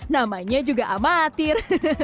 namanya juga amatir